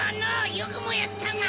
よくもやったな！